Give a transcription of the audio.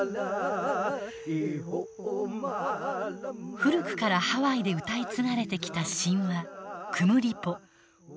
古くからハワイで歌い継がれてきた神話「クムリポ」。